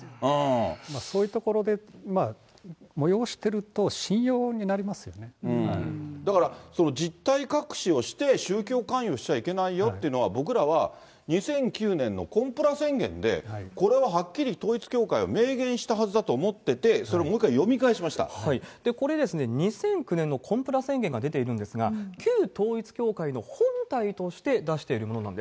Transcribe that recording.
そういうところで催してると、だから、実態隠しをして、宗教勧誘しちゃいけないよというのは、僕らは、２００９年のコンプラ宣言で、これははっきり統一教会は明言したはずだと思ってて、これ、２００９年のコンプラ宣言が出ているんですが、旧統一教会の本体として出しているものなんです。